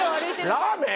ラーメン？